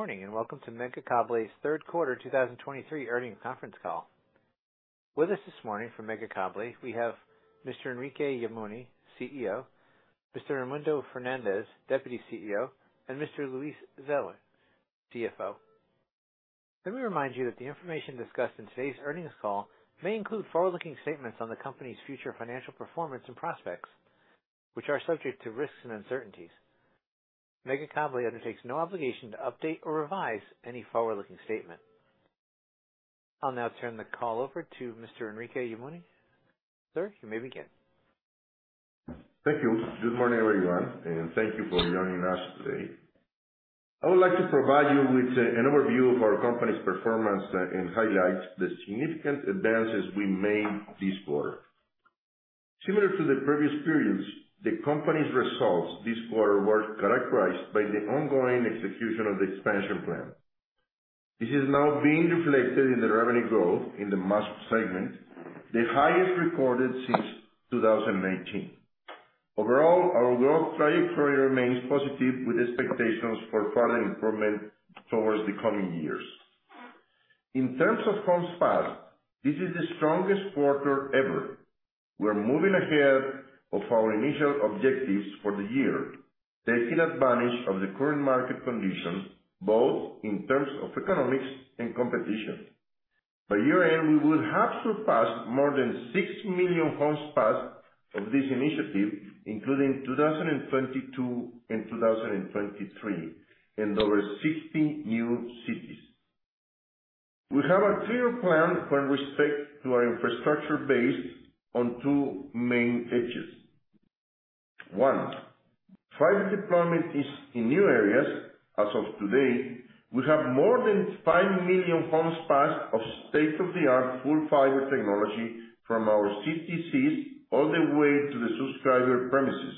Good morning, and welcome to Megacable's Third Quarter 2023 Earnings Conference Call. With us this morning from Megacable, we have Mr. Enrique Yamuni, CEO, Mr. Raymundo Fernández, Deputy CEO, and Mr. Luis Zetter, CFO. Let me remind you that the information discussed in today's earnings call may include forward-looking statements on the company's future financial performance and prospects, which are subject to risks and uncertainties. Megacable undertakes no obligation to update or revise any forward-looking statement. I'll now turn the call over to Mr. Enrique Yamuni. Sir, you may begin. Thank you. Good morning, everyone, and thank you for joining us today. I would like to provide you with an overview of our company's performance and highlight the significant advances we made this quarter. Similar to the previous periods, the company's results this quarter were characterized by the ongoing execution of the expansion plan. This is now being reflected in the revenue growth in the mass segment, the highest recorded since 2018. Overall, our growth trajectory remains positive, with expectations for further improvement towards the coming years. In terms of homes passed, this is the strongest quarter ever. We're moving ahead of our initial objectives for the year, taking advantage of the current market conditions, both in terms of economics and competition. By year-end, we will have surpassed more than 6 million homes passed of this initiative, including 2022 and 2023, in over 60 new cities. We have a clear plan with respect to our infrastructure based on two main edges. One, fiber deployment is in new areas. As of today, we have more than 5 million homes passed of state-of-the-art, full fiber technology from our CTCs all the way to the subscriber premises,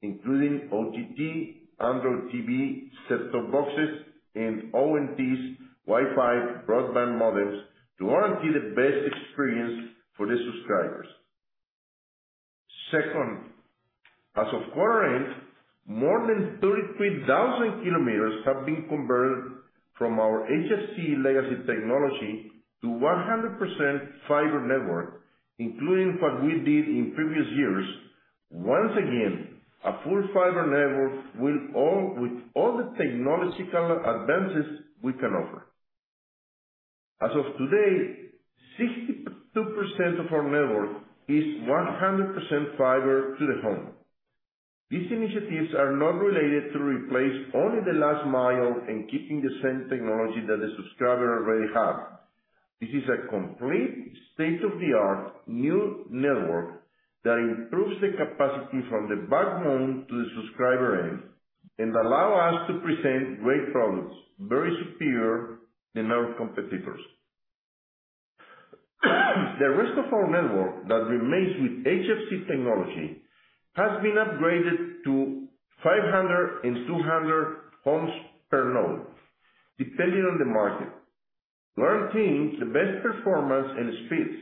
including OTT, Android TV, set-top boxes, and ONTs Wi-Fi broadband models to guarantee the best experience for the subscribers. Second, as of quarter end, more than 33,000 kilometers have been converted from our HFC legacy technology to 100% fiber network, including what we did in previous years. Once again, a full fiber network with all the technological advances we can offer. As of today, 62% of our network is 100% fiber to the home. These initiatives are not related to replace only the last mile and keeping the same technology that the subscriber already have. This is a complete state-of-the-art new network that improves the capacity from the backbone to the subscriber end, and allow us to present great products, very superior than our competitors. The rest of our network that remains with HFC technology has been upgraded to 500 and 200 homes per node, depending on the market, guaranteeing the best performance and speeds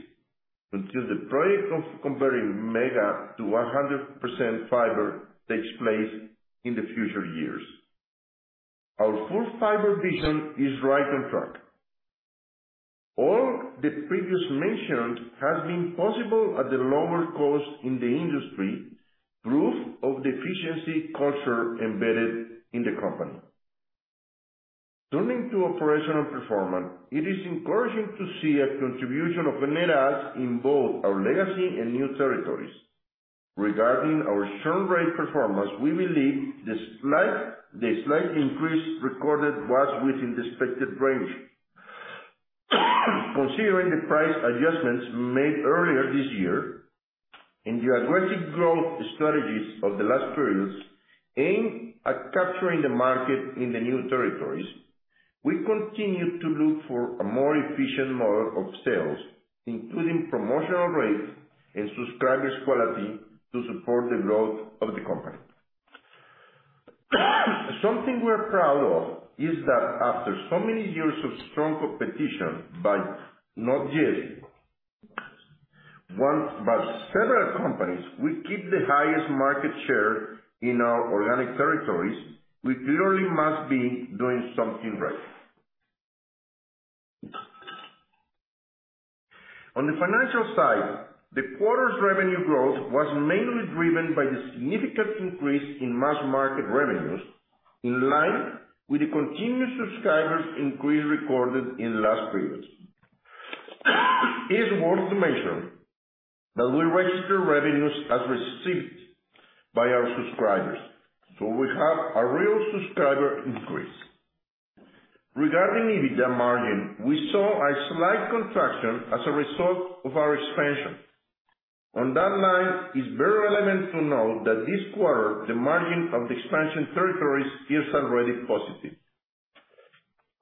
until the project of converting Megacable to 100% fiber takes place in the future years. Our full fiber vision is right on track. All the previous mentioned has been possible at the lower cost in the industry, proof of the efficiency culture embedded in the company. Turning to operational performance, it is encouraging to see a contribution of net adds in both our legacy and new territories. Regarding our churn rate performance, we believe the slight increase recorded was within the expected range. Considering the price adjustments made earlier this year and the aggressive growth strategies of the last periods aimed at capturing the market in the new territories, we continue to look for a more efficient model of sales, including promotional rates and subscribers' quality, to support the growth of the company. Something we're proud of is that after so many years of strong competition, by not just one, but several companies, we keep the highest market share in our organic territories. We clearly must be doing something right. On the financial side, the quarter's revenue growth was mainly driven by the significant increase in mass market revenues, in line with the continued subscribers increase recorded in the last periods. It's worth to mention that we register revenues as received by our subscribers, so we have a real subscriber increase. Regarding EBITDA margin, we saw a slight contraction as a result of our expansion. On that line, it's very relevant to note that this quarter, the margin of the expansion territories is already positive.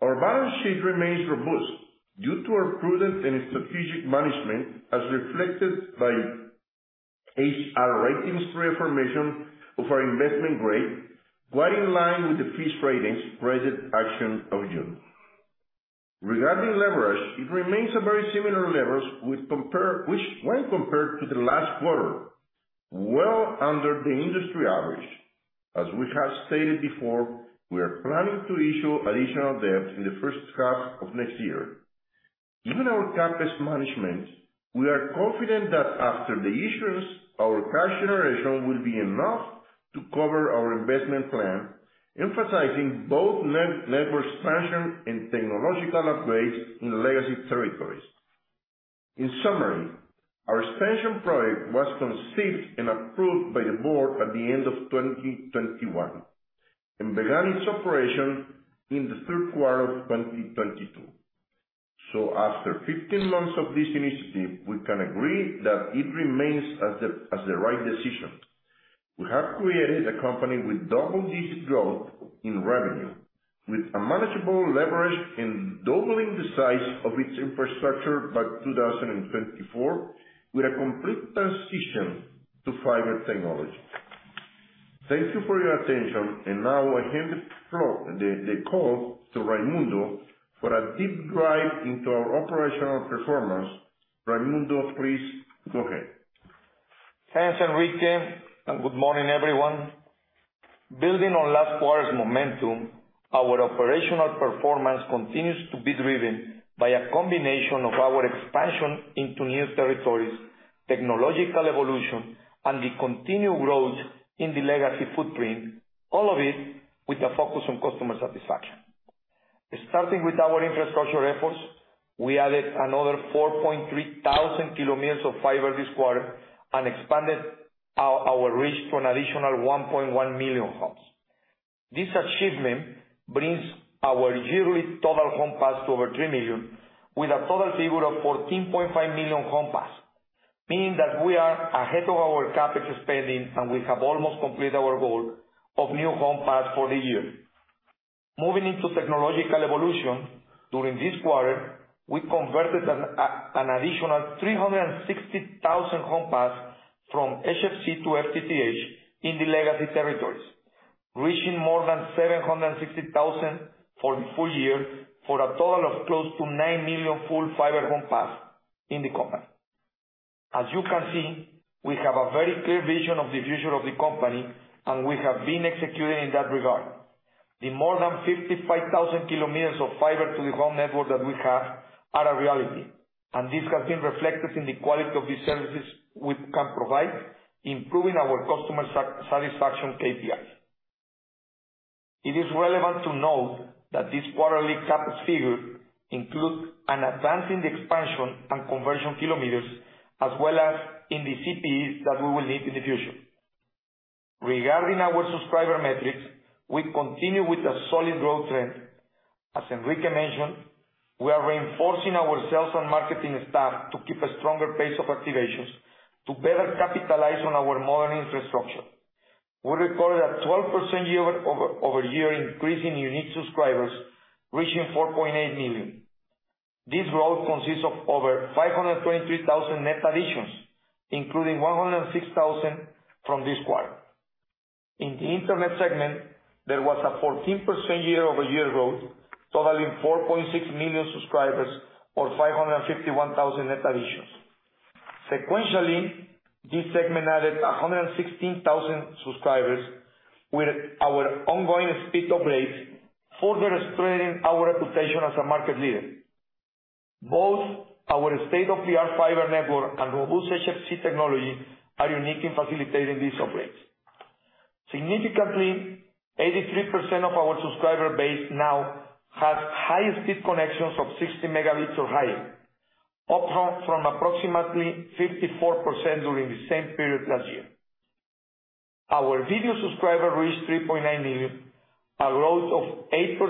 Our balance sheet remains robust due to our prudent and strategic management, as reflected by HR Ratings reconfirmation of our investment grade, quite in line with the Fitch Ratings credit action of June.... Regarding leverage, it remains at very similar levels compared, which when compared to the last quarter, well under the industry average. As we have stated before, we are planning to issue additional debt in the first half of next year. Given our CapEx management, we are confident that after the issuance, our cash generation will be enough to cover our investment plan, emphasizing both net network expansion and technological upgrades in legacy territories. In summary, our expansion project was conceived and approved by the board at the end of 2021, and began its operation in the third quarter of 2022. So after 15 months of this initiative, we can agree that it remains as the right decision. We have created a company with double-digit growth in revenue, with a manageable leverage and doubling the size of its infrastructure by 2024, with a complete transition to fiber technology. Thank you for your attention, and now I hand the floor, the call to Raymundo for a deep dive into our operational performance. Raymundo, please go ahead. Thanks, Enrique, and good morning, everyone. Building on last quarter's momentum, our operational performance continues to be driven by a combination of our expansion into new territories, technological evolution, and the continued growth in the legacy footprint, all of it with a focus on customer satisfaction. Starting with our infrastructure efforts, we added another 4.3 thousand kilometers of fiber this quarter and expanded our reach to an additional 1.1 million homes. This achievement brings our yearly total homes passed to over 3 million, with a total figure of 14.5 million homes passed, meaning that we are ahead of our CapEx spending, and we have almost completed our goal of new homes passed for the year. Moving into technological evolution, during this quarter, we converted an additional 360,000 homes passed from HFC to FTTH in the legacy territories, reaching more than 760,000 for the full year, for a total of close to 9 million full fiber homes passed in the company. As you can see, we have a very clear vision of the future of the company, and we have been executing in that regard. The more than 55,000 kilometers of fiber to the home network that we have are a reality, and this has been reflected in the quality of the services we can provide, improving our customer satisfaction KPIs. It is relevant to note that this quarterly CapEx figure includes an advance in the expansion and conversion kilometers, as well as in the CPEs that we will need in the future. Regarding our subscriber metrics, we continue with a solid growth trend. As Enrique mentioned, we are reinforcing our sales and marketing staff to keep a stronger pace of activations to better capitalize on our modern infrastructure. We recorded a 12% year-over-year increase in unique subscribers, reaching 4.8 million. This growth consists of over 523,000 net additions, including 106,000 from this quarter. In the internet segment, there was a 14% year-over-year growth, totaling 4.6 million subscribers, or 551,000 net additions. Sequentially, this segment added 116,000 subscribers with our ongoing speed upgrades, further strengthening our reputation as a market leader. Both our state-of-the-art fiber network and robust HFC technology are unique in facilitating these upgrades. Significantly, 83% of our subscriber base now has high-speed connections of 60 Mbps or higher, up from approximately 54% during the same period last year. Our video subscriber reached 3.9 million, a growth of 8%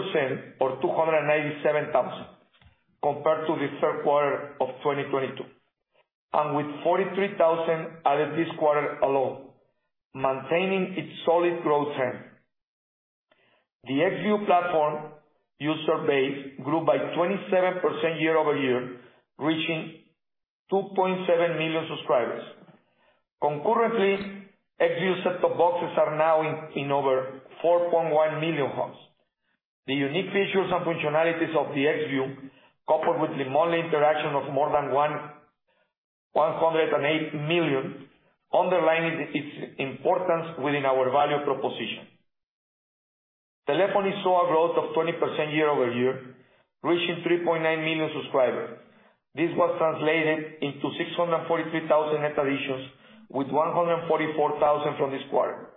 or 297,000, compared to the third quarter of 2022, and with 43,000 added this quarter alone, maintaining its solid growth trend. The Xview platform user base grew by 27% year-over-year, reaching 2.7 million subscribers. Concurrently, Xview set-top boxes are now in over 4.1 million homes. The unique features and functionalities of the Xview, coupled with the monthly interaction of more than 108 million, underlining its importance within our value proposition. Telephony saw a growth of 20% year-over-year, reaching 3.9 million subscribers. This was translated into 643,000 net additions, with 144,000 from this quarter.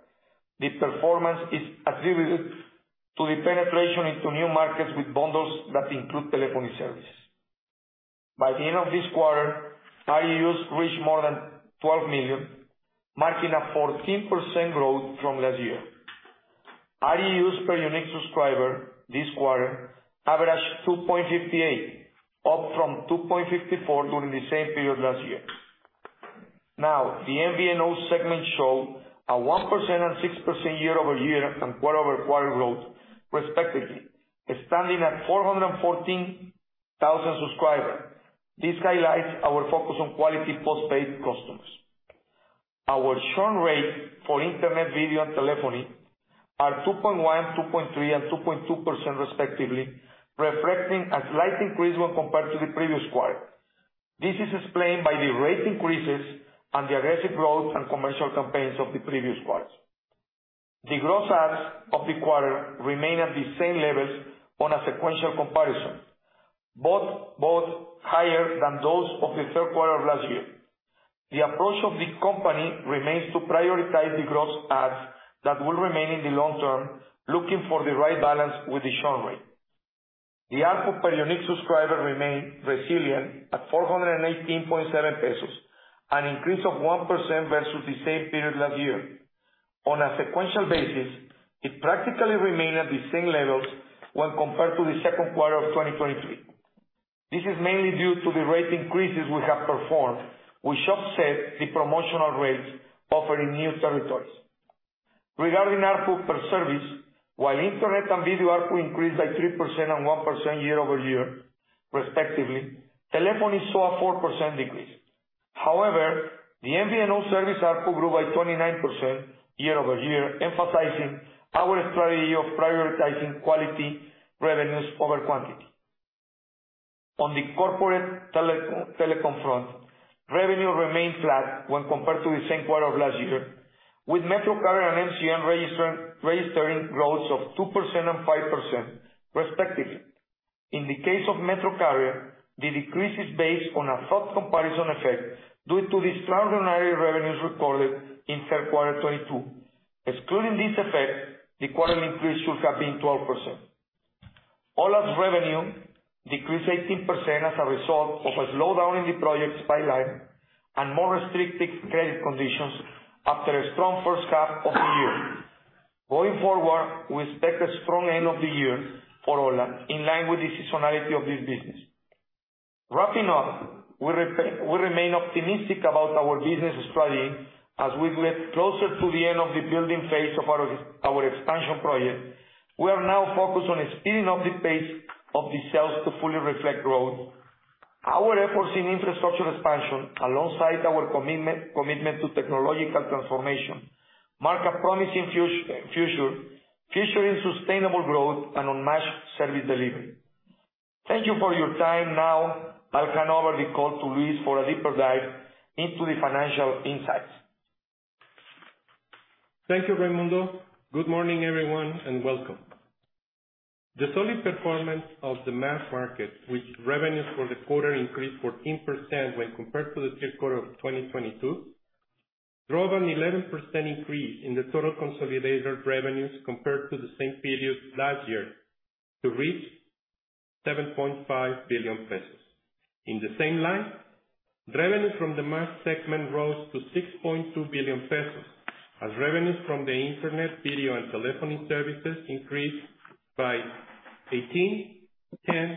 The performance is attributed to the penetration into new markets with bundles that include telephony service. By the end of this quarter, RGUs reached more than 12 million, marking a 14% growth from last year. RGUs per unique subscriber this quarter averaged 2.58, up from 2.54 during the same period last year. Now, the MVNO segment showed a 1% and 6% year-over-year and quarter-over-quarter growth, respectively, standing at 414,000 subscribers. This highlights our focus on quality post-paid customers. Our churn rate for internet, video, and telephony are 2.1%, 2.3%, and 2.2% respectively, reflecting a slight increase when compared to the previous quarter. This is explained by the rate increases and the aggressive growth and commercial campaigns of the previous quarters. The gross adds of the quarter remain at the same levels on a sequential comparison, but both higher than those of the third quarter of last year. The approach of the company remains to prioritize the gross adds that will remain in the long term, looking for the right balance with the churn rate. The ARPU per unique subscriber remained resilient at 418.7 pesos, an increase of 1% versus the same period last year. On a sequential basis, it practically remained at the same levels when compared to the second quarter of 2023. This is mainly due to the rate increases we have performed, which offset the promotional rates offered in new territories. Regarding ARPU per service, while internet and video ARPU increased by 3% and 1% year-over-year, respectively, telephony saw a 4% decrease. However, the MVNO service ARPU grew by 29% year-over-year, emphasizing our strategy of prioritizing quality revenues over quantity. On the corporate telecom front, revenue remained flat when compared to the same quarter of last year, with MetroCarrier and MCM registering growth of 2% and 5% respectively. In the case of MetroCarrier, the decrease is based on a tough comparison effect due to the extraordinary revenues recorded in third quarter 2022. Excluding this effect, the quarter increase should have been 12%. Ho1a's revenue decreased 18% as a result of a slowdown in the projects pipeline and more restrictive credit conditions after a strong first half of the year. Going forward, we expect a strong end of the year for Ho1a, in line with the seasonality of this business. Wrapping up, we remain optimistic about our business strategy as we get closer to the end of the building phase of our, our expansion project. We are now focused on speeding up the pace of the sales to fully reflect growth. Our efforts in infrastructure expansion, alongside our commitment, commitment to technological transformation, mark a promising future, featuring sustainable growth and unmatched service delivery. Thank you for your time. Now, I'll hand over the call to Luis for a deeper dive into the financial insights. Thank you, Raymundo. Good morning, everyone, and welcome. The solid performance of the mass market, with revenues for the quarter increased 14% when compared to the third quarter of 2022, drove an 11% increase in the total consolidated revenues compared to the same period last year, to reach 7.5 billion pesos. In the same line, revenue from the mass segment rose to 6.2 billion pesos, as revenues from the internet, video, and telephony services increased by 18%, 10%,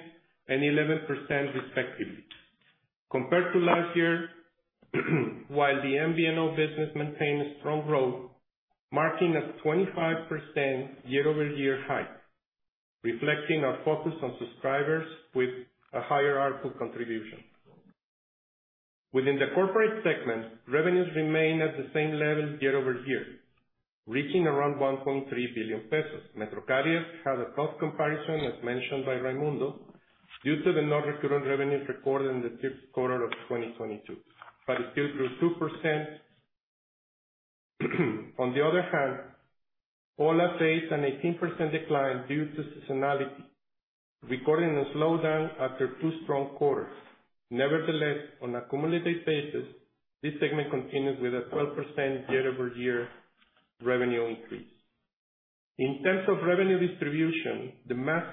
and 11% respectively. Compared to last year, while the MVNO business maintained a strong growth, marking a 25% year-over-year hike, reflecting our focus on subscribers with a higher ARPU contribution. Within the corporate segment, revenues remained at the same level year over year, reaching around 1.3 billion pesos. MetroCarrier had a tough comparison, as mentioned by Raymundo, due to the non-recurring revenues recorded in the third quarter of 2022, but it still grew 2%. On the other hand, Ho1a faced an 18% decline due to seasonality, recording a slowdown after two strong quarters. Nevertheless, on a cumulative basis, this segment continues with a 12% year-over-year revenue increase. In terms of revenue distribution, the mass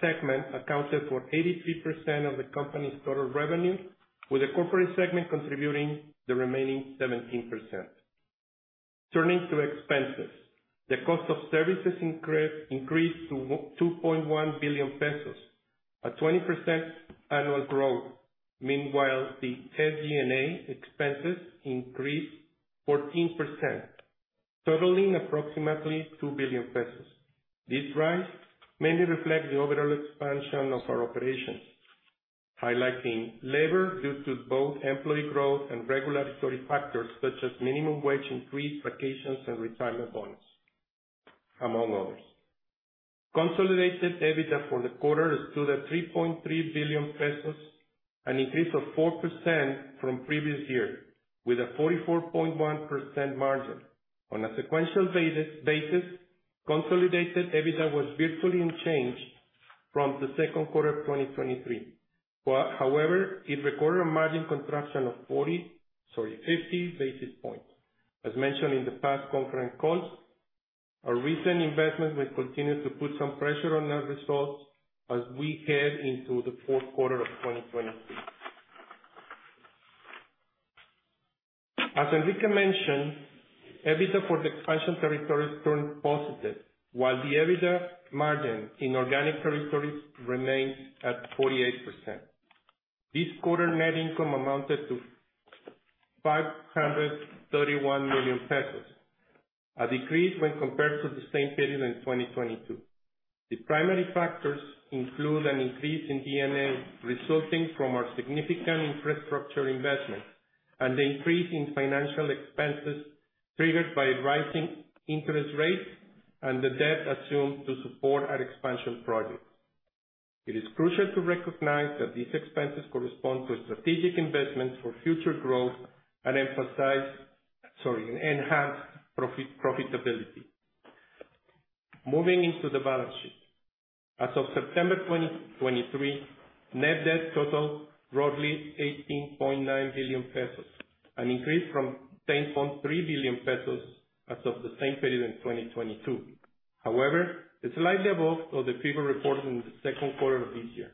segment accounted for 83% of the company's total revenue, with the corporate segment contributing the remaining 17%. Turning to expenses, the cost of services increased to 2.1 billion pesos, a 20% annual growth. Meanwhile, the SG&A expenses increased 14%, totaling approximately 2 billion pesos. This rise mainly reflects the overall expansion of our operations, highlighting labor due to both employee growth and regulatory factors such as minimum wage increase, vacations, and retirement bonus, among others. Consolidated EBITDA for the quarter stood at 3.3 billion pesos, an increase of 4% from previous year, with a 44.1% margin. On a sequential basis, consolidated EBITDA was virtually unchanged from the second quarter of 2023. But however, it recorded a margin contraction of 40, sorry, 50 basis points. As mentioned in the past conference calls, our recent investments will continue to put some pressure on our results as we head into the fourth quarter of 2023. As Enrique mentioned, EBITDA for the expansion territories turned positive, while the EBITDA margin in organic territories remains at 48%. This quarter, net income amounted to 531 million pesos.... A decrease when compared to the same period in 2022. The primary factors include an increase in D&A, resulting from our significant infrastructure investment and the increase in financial expenses triggered by rising interest rates and the debt assumed to support our expansion projects. It is crucial to recognize that these expenses correspond to a strategic investment for future growth and enhance profitability. Moving into the balance sheet. As of September 2023, net debt totaled roughly 18.9 billion pesos, an increase from 10.3 billion pesos as of the same period in 2022. However, it's slightly above the figure reported in the second quarter of this year.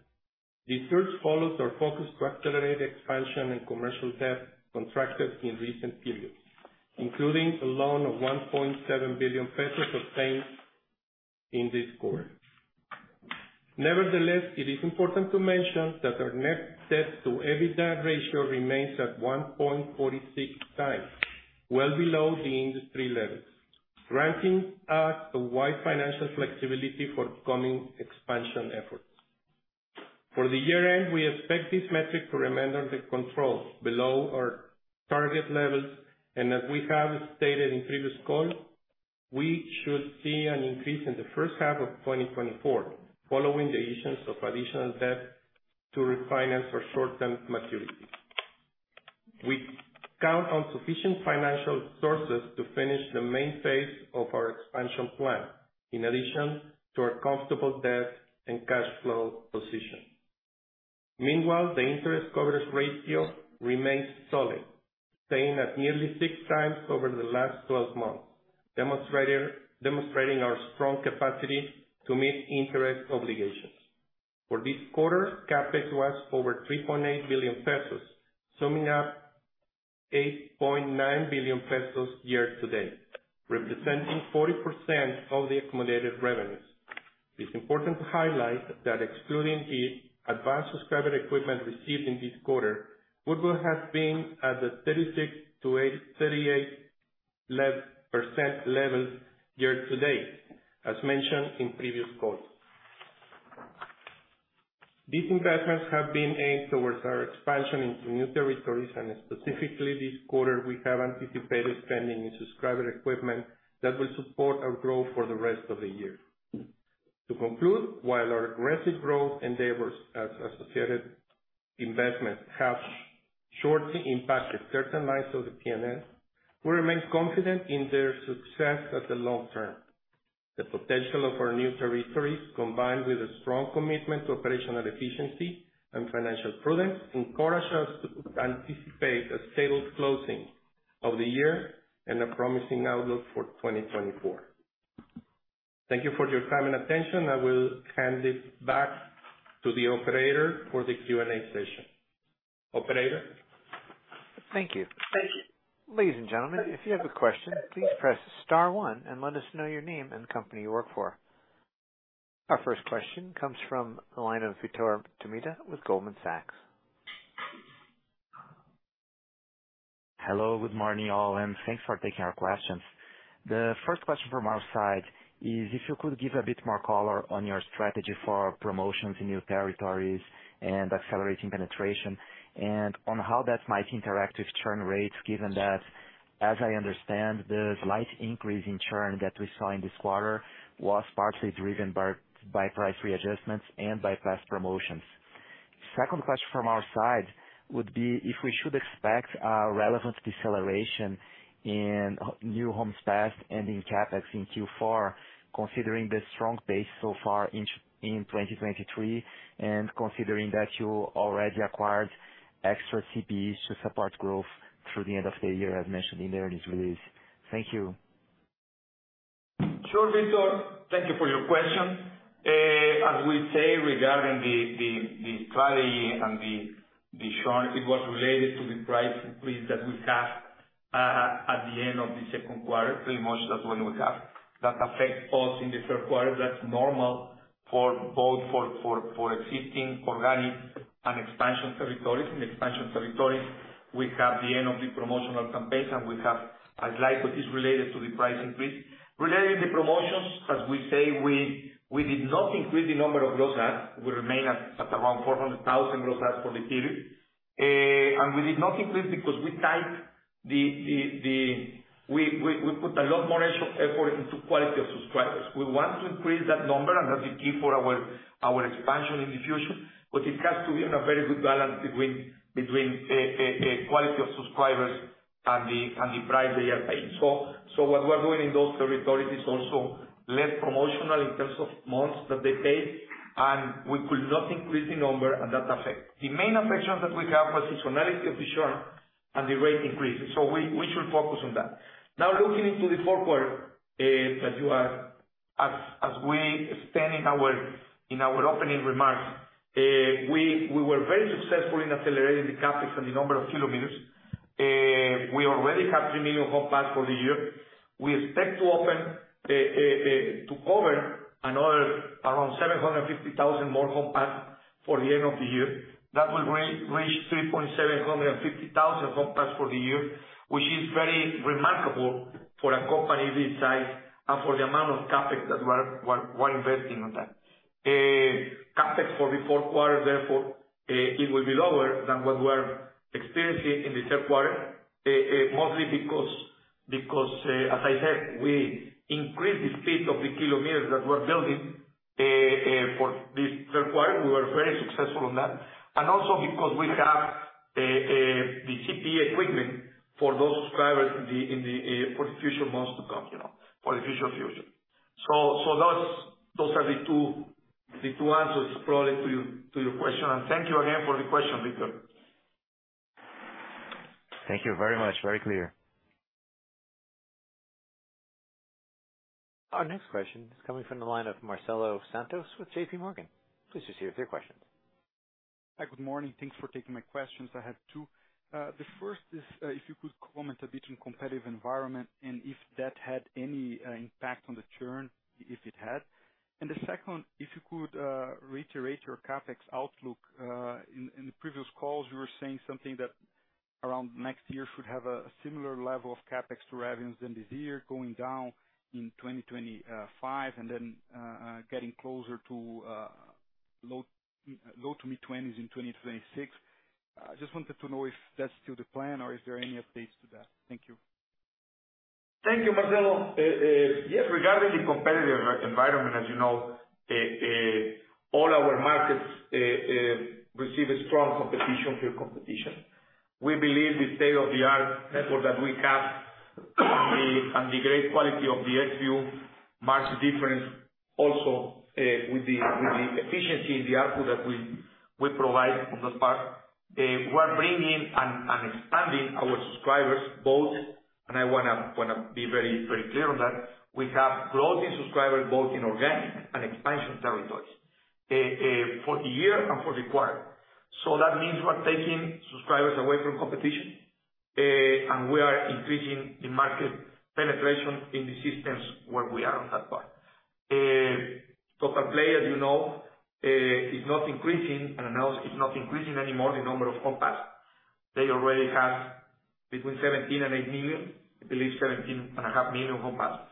The surge follows our focus to accelerate expansion and commercial debt contracted in recent periods, including a loan of 1.7 billion pesos obtained in this quarter. Nevertheless, it is important to mention that our net debt to EBITDA ratio remains at 1.46 times, well below the industry levels, granting us a wide financial flexibility for coming expansion efforts. For the year-end, we expect this metric to remain under control below our target levels, and as we have stated in previous calls, we should see an increase in the first half of 2024, following the issuance of additional debt to refinance our short-term maturities. We count on sufficient financial sources to finish the main phase of our expansion plan, in addition to our comfortable debt and cash flow position. Meanwhile, the interest coverage ratio remains solid, staying at nearly 6x over the last 12 months, demonstrating our strong capacity to meet interest obligations. For this quarter, CapEx was over 3.8 billion pesos, summing up 8.9 billion pesos year to date, representing 40% of the accumulated revenues. It's important to highlight that excluding the advanced subscriber equipment received in this quarter, would have been at the 36.8%-38% level year to date, as mentioned in previous calls. These investments have been aimed towards our expansion into new territories, and specifically this quarter, we have anticipated spending in subscriber equipment that will support our growth for the rest of the year. To conclude, while our aggressive growth endeavors as associated investment have shortly impacted certain lines of the P&L, we remain confident in their success at the long term. The potential of our new territories, combined with a strong commitment to operational efficiency and financial prudence, encourages us to anticipate a stable closing of the year and a promising outlook for 2024. Thank you for your time and attention. I will hand it back to the operator for the Q&A session. Operator? Thank you. Ladies and gentlemen, if you have a question, please press star one and let us know your name and company you work for. Our first question comes from the line of Vitor Tomita with Goldman Sachs. Hello, good morning, all, and thanks for taking our questions. The first question from our side is if you could give a bit more color on your strategy for promotions in new territories and accelerating penetration, and on how that might interact with churn rates, given that, as I understand, the slight increase in churn that we saw in this quarter was partly driven by, by price readjustments and by past promotions. Second question from our side would be if we should expect a relevant deceleration in new homes passed and in CapEx in Q4, considering the strong pace so far in 2023, and considering that you already acquired extra CPEs to support growth through the end of the year, as mentioned in the earnings release. Thank you. Sure, Vitor. Thank you for your question. As we say, regarding the strategy and the churn, it was related to the price increase that we have at the end of the second quarter. Pretty much that's when we have. That affects us in the third quarter, that's normal for both existing organic and expansion territories. In expansion territories, we have the end of the promotional campaign, and we have a slight, but it's related to the price increase. Related to the promotions, as we say, we did not increase the number of gross adds. We remain at around 400,000 gross adds for the period. And we did not increase because we tied the... We put a lot more extra effort into quality of subscribers. We want to increase that number, and that's the key for our expansion in the future. But it has to be in a very good balance between a quality of subscribers and the price they are paying. So what we're doing in those territories is also less promotional in terms of months that they pay, and we could not increase the number, and that affect. The main affections that we have are seasonality of the churn and the rate increases, so we should focus on that. Now, looking into the fourth quarter, as we stated in our opening remarks, we were very successful in accelerating the CapEx and the number of kilometers. We already have 3 million homes passeded for the year. We expect to open to cover another around 750,000 more homes passeded-... for the end of the year, that will reach 375,000 homes passedes for the year, which is very remarkable for a company this size and for the amount of CapEx that we're investing on that. CapEx for the fourth quarter, therefore, it will be lower than what we're experiencing in the third quarter. Mostly because, as I said, we increased the speed of the kilometers that we're building. For this third quarter, we were very successful on that. And also because we have the CPE equipment for those subscribers in the for the future months to come, you know, for the future. So those are the two answers probably to your question. And thank you again for the question, Victor. Thank you very much. Very clear. Our next question is coming from the line of Marcelo Santos with JP Morgan. Please just hear your questions. Hi, good morning. Thanks for taking my questions. I have two. The first is, if you could comment a bit on competitive environment and if that had any impact on the churn, if it had. And the second, if you could, reiterate your CapEx outlook. In the previous calls, you were saying something that around next year should have a similar level of CapEx to revenues than this year, going down in 2025, and then, getting closer to low- to mid-20s in 2026. Just wanted to know if that's still the plan or is there any updates to that? Thank you. Thank you, Marcelo. Yes, regarding the competitive environment, as you know, all our markets receive a strong competition from competition. We believe the state-of-the-art network that we have and the great quality of the SQ marks the difference also with the efficiency in the output that we provide on that part. We're bringing and expanding our subscribers both... And I wanna be very clear on that. We have growth in subscribers both in organic and expansion territories for the year and for the quarter. So that means we're taking subscribers away from competition, and we are increasing the market penetration in the systems where we are on that part. So per player, as you know, is not increasing, and announce is not increasing anymore the number of homes passedes. They already have between 17 and 18 million, I believe 17.5 million homes passedes.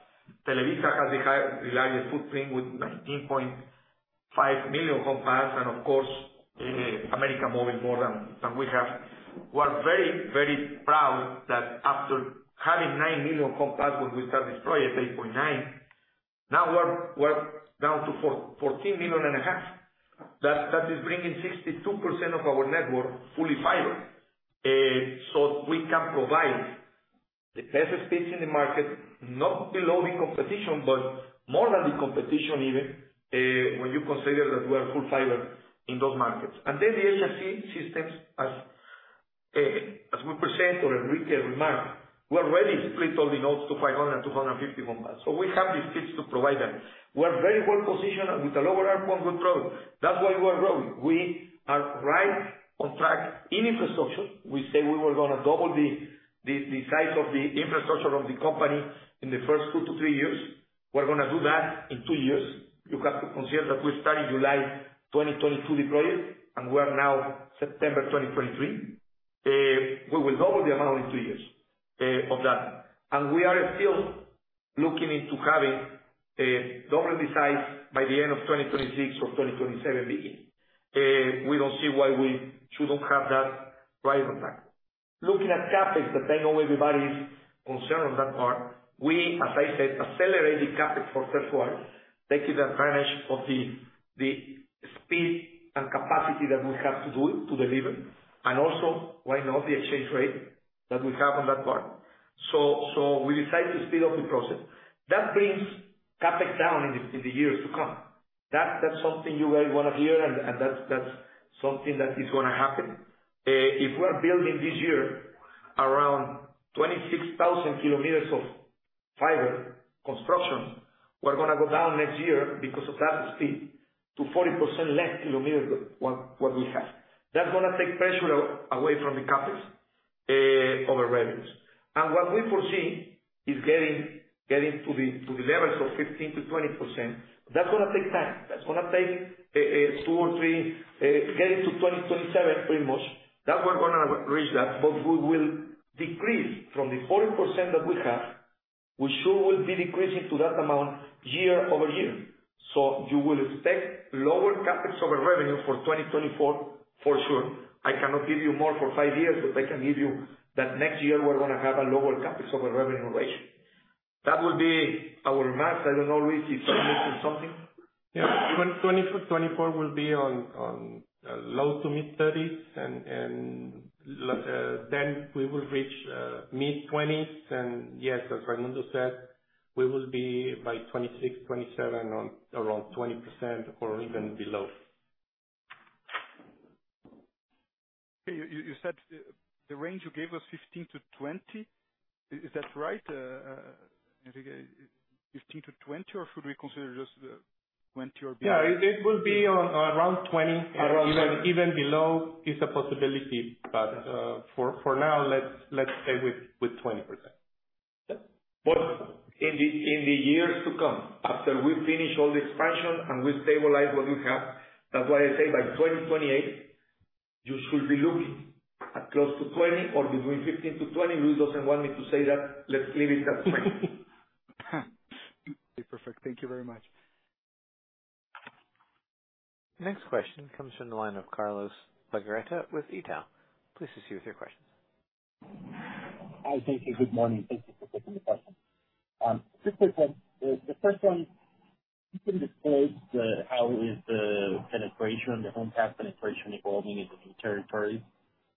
Televisa has the largest footprint with 19.5 million homes passedes, and of course, América Móvil more than, than we have. We're very, very proud that after having 9 million homes passedes when we started Sroi at 8.9, now we're down to 14.5 million. That is bringing 62% of our network fully fiber, so we can provide the best speeds in the market, not below the competition, but more than the competition even, when you consider that we are full fiber in those markets. And then the HFC systems, as we present or Enrique remarked, we already split all the nodes to 500, 250 homes passedes. So we have the speeds to provide them. We're very well positioned with a lower ARPU growth. That's why we're growing. We are right on track in infrastructure. We said we were gonna double the size of the infrastructure of the company in the first 2-3 years. We're gonna do that in 2 years. You have to consider that we started July 2022 deployment, and we are now September 2023. We will double the amount in 2 years of that. And we are still looking into having double the size by the end of 2026 or 2027 beginning. We don't see why we shouldn't have that right on time. Looking at CapEx, that I know everybody's concerned on that part, we, as I said, accelerated CapEx for third quarter, taking advantage of the, the speed and capacity that we have to do it, to deliver, and also right now, the exchange rate that we have on that part. So, so we decided to speed up the process. That brings CapEx down in the, in the years to come. That's, that's something you really wanna hear, and, and that's, that's something that is gonna happen. If we're building this year around 26,000 kilometers of fiber construction, we're gonna go down next year because of that speed to 40% less kilometers than what, what we have. That's gonna take pressure away from the CapEx over revenues. And what we foresee is getting, getting to the, to the levels of 15%-20%. That's gonna take time. That's gonna take 2 or 3, getting to 2027, pretty much, that we're gonna reach that, but we will decrease from the 40% that we have. We sure will be decreasing to that amount year over year. So you will expect lower CapEx over revenue for 2024, for sure. I cannot give you more for 5 years, but I can give you that next year we're gonna have a lower CapEx over revenue ratio. That would be our math. I don't know, Luis, if I'm missing something? Yeah. 2024 will be on low- to mid-30s, and then we will reach mid-20s. And yes, as Fernando said, we will be by 2026, 2027, on around 20% or even below. You said the range you gave was 15-20. Is that right? I think 15-20, or should we consider just the 20 or below? Yeah, it will be on around 20- Around 20. Even below is a possibility. But for now, let's stay with 20%.... But in the years to come, after we finish all the expansion and we stabilize what we have, that's why I say by 2028, you should be looking at close to 20% or between 15%-20%. Luis doesn't want me to say that. Let's leave it at 20%. Perfect. Thank you very much. Next question comes from the line of Carlos Bagheretta with Itaú. Please proceed with your questions. Hi, thank you. Good morning. Thank you for taking the question. Two quick ones. The first one, you can disclose the, how is the penetration, the homes passed penetration evolving in the new territories?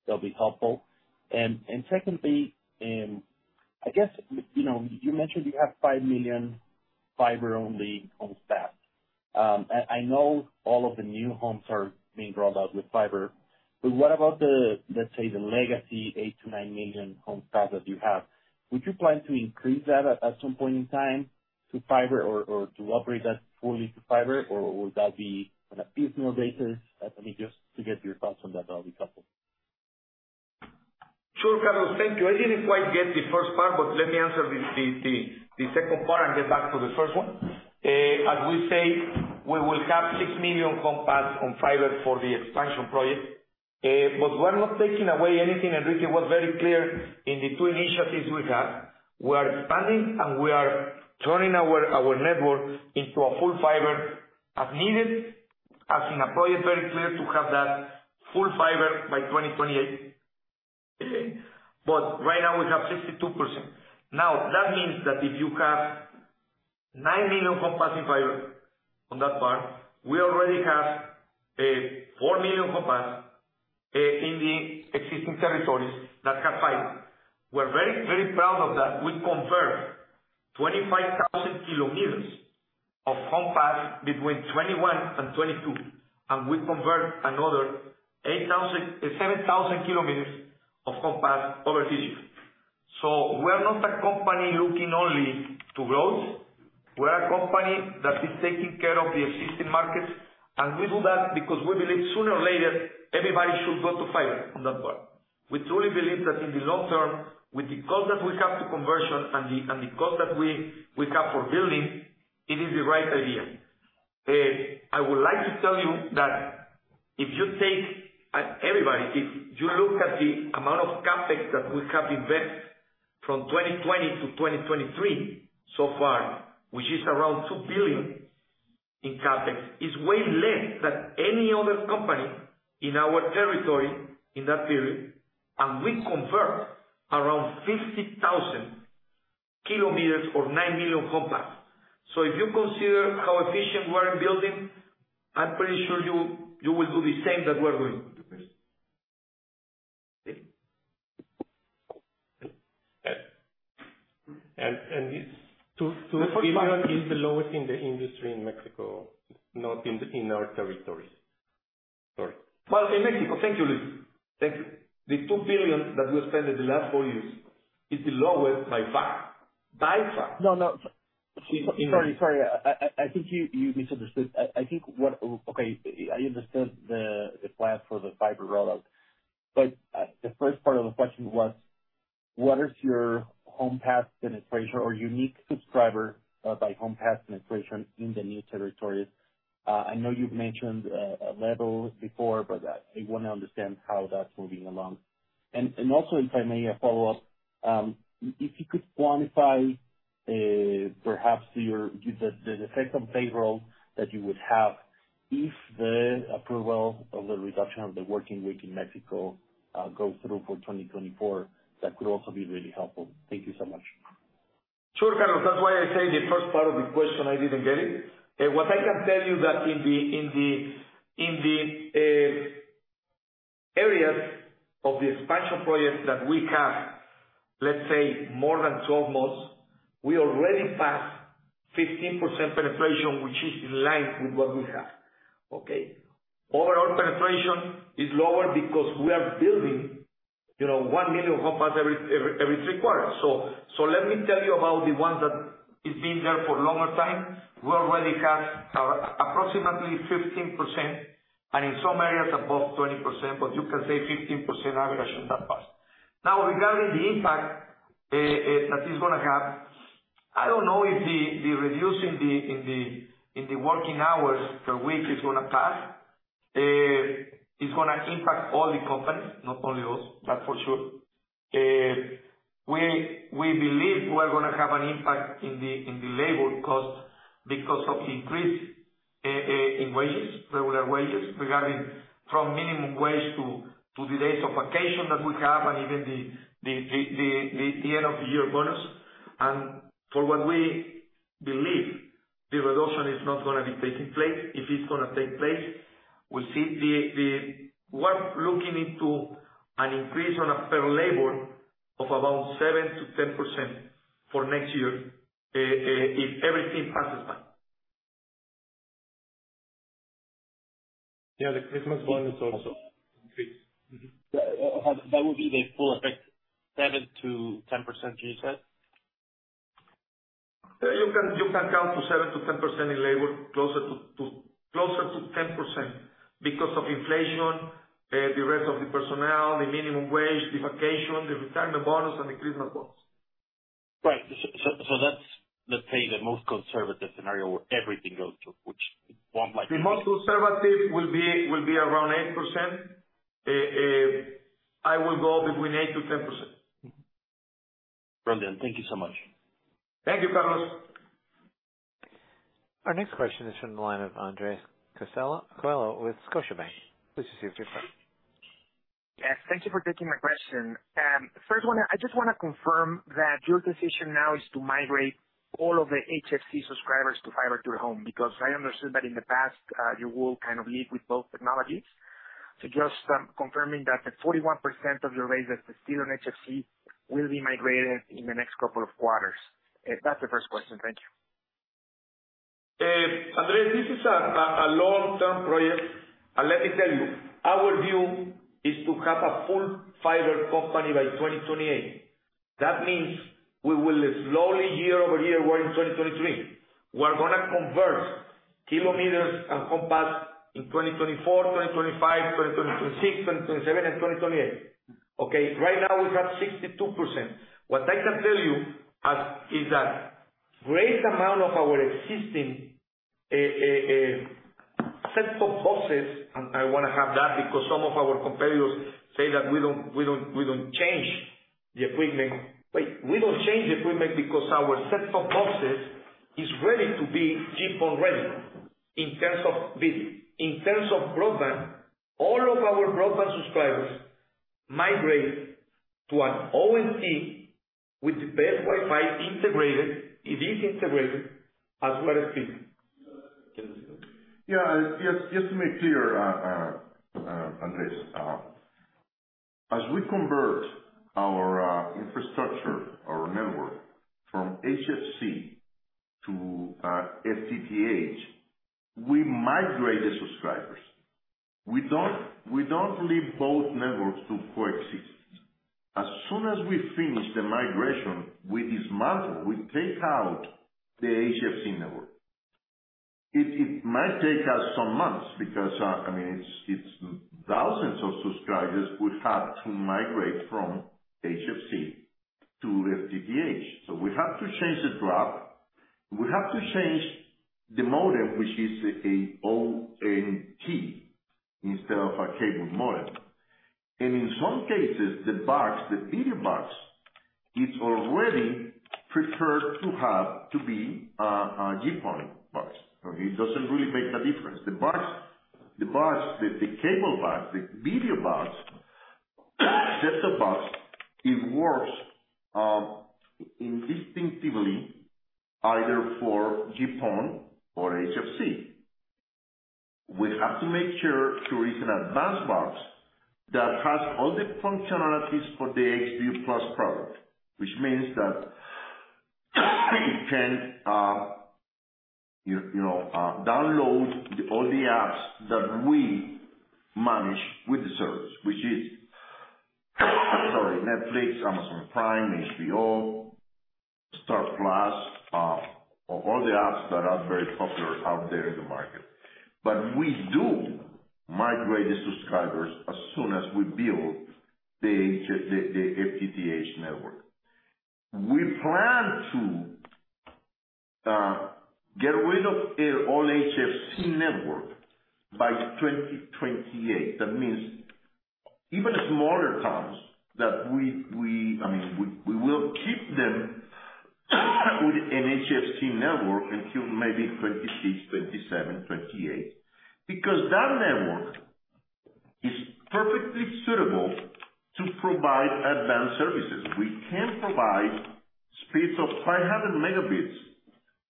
That'll be helpful. And, and secondly, I guess, you know, you mentioned you have 5 million fiber-only homes passed. I, I know all of the new homes are being rolled out with fiber, but what about the, let's say, the legacy 8-9 million homes passed that you have? Would you plan to increase that at, at some point in time to fiber or, or to operate that fully to fiber? Or would that be on a piecemeal basis? Let me just to get your thoughts on that, that'll be helpful. Sure, Carlos, thank you. I didn't quite get the first part, but let me answer the second part and get back to the first one. As we say, we will have 6 million homes passeded on fiber for the expansion project. But we're not taking away anything, and Luis was very clear in the two initiatives we have. We are expanding, and we are turning our network into a full fiber as needed, as in a project very clear to have that full fiber by 2028. But right now we have 62%. Now, that means that if you have 9 million homes passeding fiber on that part, we already have 4 million homes passeded in the existing territories that have fiber. We're very, very proud of that. We converted 25,000 kilometers of homes passeded between 2021 and 2022, and we converted another 8,000, 7,000 kilometers of homes passeded over this year. So we're not a company looking only to growth. We're a company that is taking care of the existing markets, and we do that because we believe sooner or later everybody should go to fiber on that part. We truly believe that in the long term, with the cost that we have to conversion and the, and the cost that we, we have for building, it is the right idea. I would like to tell you that if you take, as everybody, if you look at the amount of CapEx that we have invested from 2020 to 2023 so far, which is around 2 billion in CapEx, is way less than any other company in our territory in that period. And we convert around 50,000 kilometers or 9 million homes passeded. So if you consider how efficient we're in building, I'm pretty sure you, you will do the same that we're doing. It's 2 billion, the lowest in the industry in Mexico, not in our territories. Sorry. Well, in Mexico. Thank you, Luis. Thank you. The 2 billion that we spent in the last four years is the lowest by far. By far! No, no. In- Sorry, sorry. I think you misunderstood. Okay, I understood the plan for the fiber rollout, but the first part of the question was: What is your homes passeded penetration or unique subscriber by homes passeded penetration in the new territories? I know you've mentioned a level before, but I wanna understand how that's moving along. And also, if I may, a follow-up, if you could quantify perhaps the effect on payroll that you would have if the approval of the reduction of the working week in Mexico goes through for 2024, that could also be really helpful. Thank you so much. Sure, Carlos, that's why I say the first part of the question, I didn't get it. What I can tell you that in the areas of the expansion projects that we have, let's say more than 12 months, we already passed 15% penetration, which is in line with what we have. Okay? Overall penetration is lower because we are building, you know, 1 million homes passeded every 3 quarters. So let me tell you about the one that is been there for longer time. We already have approximately 15%, and in some areas above 20%, but you can say 15% aggregation that passed. Now, regarding the impact that is gonna have, I don't know if the reducing the working hours per week is gonna pass. It's gonna impact all the companies, not only us, that's for sure. We believe we are gonna have an impact in the labor cost because of the increase in wages, regular wages, regarding from minimum wage to the days of vacation that we have and even the end-of-the-year bonus. And for what we believe, the reduction is not gonna be taking place. If it's gonna take place, we see we're looking into an increase on a fair labor of about 7%-10% for next year, if everything passes by. Yeah, the Christmas bonus also increase. Mm-hmm. Yeah, that would be the full effect, 7%-10% you said?... Yeah, you can count to 7%-10% in labor, closer to 10% because of inflation, the rest of the personnel, the minimum wage, the vacation, the retirement bonus, and the Christmas bonus. Right. So that's, let's say, the most conservative scenario where everything goes to, which it won't like- The most conservative will be around 8%. I will go between 8%-10%. Mm-hmm. Brilliant. Thank you so much. Thank you, Carlos. Our next question is from the line of Andres Coello with Scotiabank. Please proceed with your question. Yes, thank you for taking my question. First one, I just wanna confirm that your decision now is to migrate all of the HFC subscribers to fiber to the home, because I understood that in the past, you will kind of lead with both technologies. So just, confirming that the 41% of your raises that are still on HFC will be migrated in the next couple of quarters. That's the first question. Thank you. Andres, this is a long-term project, and let me tell you, our view is to have a full fiber company by 2028. That means we will slowly, year over year, we're in 2023, we're gonna convert kilometers and capacity in 2024, 2025, 2026, 2027, and 2028. Okay? Right now, we have 62%. What I can tell you is that great amount of our existing set-top boxes, and I wanna have that because some of our competitors say that we don't, we don't, we don't change the equipment. But we don't change the equipment because our set-top boxes is ready to be GPON ready in terms of this. In terms of broadband, all of our broadband subscribers migrate to an ONT with the best Wi-Fi integrated. It is integrated as well as seen. Yeah. Just, just to make clear, Andres, as we convert our infrastructure, our network from HFC to FTTH, we migrate the subscribers. We don't, we don't leave both networks to coexist. As soon as we finish the migration, we dismantle, we take out the HFC network. It might take us some months because, I mean, it's thousands of subscribers we have to migrate from HFC to FTTH. So we have to change the drop. We have to change the modem, which is an ONT instead of a cable modem. And in some cases, the box, the media box, is already preferred to have to be a GPON box. So it doesn't really make a difference. The box, the box, the cable box, the media box, set-top box, it works indistinctly either for GPON or HFC. We have to make sure to use an advanced box that has all the functionalities for the Xview Plus product, which means that it can, you know, download all the apps that we manage with the service, which is, sorry, Netflix, Amazon Prime, HBO, Star Plus, all the apps that are very popular out there in the market. But we do migrate the subscribers as soon as we build the FTTH network. We plan to get rid of all HFC network by 2028. That means even smaller towns that we, I mean, we will keep them with an HFC network until maybe 2026, 2027, 2028, because that network is perfectly suitable to provide advanced services. We can provide speeds of 500 Mbps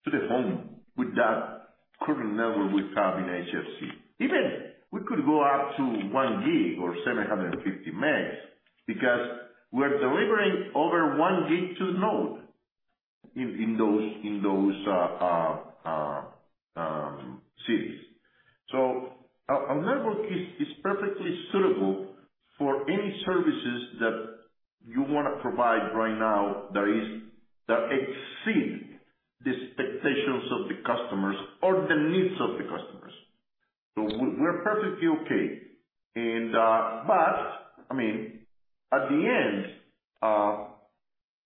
to the home with that current network we have in HFC. Even we could go up to 1 gig or 750 megs, because we're delivering over 1 gig to the node in those cities. So our network is perfectly suitable for any services that you wanna provide right now that exceed the expectations of the customers or the needs of the customers. So we're perfectly okay. But I mean, at the end,